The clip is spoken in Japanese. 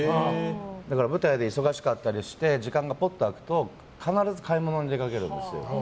だから、舞台で忙しかったりして時間が空くと必ず買い物に出かけるんですよ。